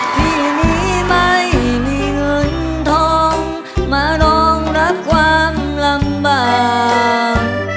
ที่นี้ไม่มีเงินทองมารองรับความลำบาก